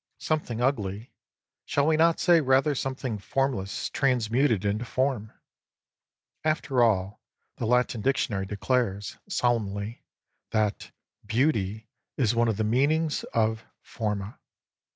Something ugly ; shall we not say rather something formless transmuted into form? After all, the Latin Dictionary declares solemnly that " beauty " is one of the meanings of "forma."